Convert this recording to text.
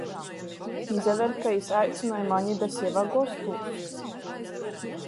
Izaver, ka jis aicynoj mani da seve gostūs...